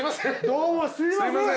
どうもすいません。